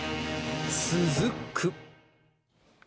続く。